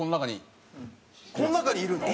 この中にいるの？